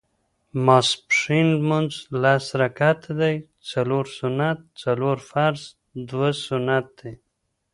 ماسپښېن لمونځ لس رکعته دی څلور سنت څلور فرض دوه سنت دي